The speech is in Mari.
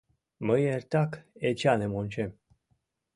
Мый эртак Эчаным ончем.